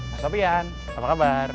mas sofian apa kabar